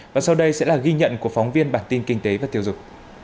và sau đây sẽ là ghi nhận của phóng viên bản tin kinh tế và tiêu dục